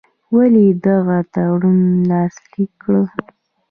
ولي یې دغه تړون لاسلیک کړ.